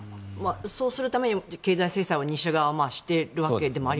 そうするためにも経済制裁を西側はしているわけですもんね。